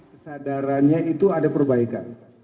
kesadarannya itu ada perbaikan